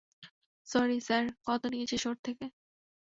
Sorry sir কত নিয়েছিস ওর থেকে?